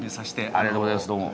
ありがとうございますどうも。